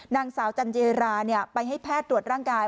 นางสาวจันเจราไปให้แพทย์ตรวจร่างกาย